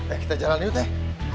eh kita jalan yuk teh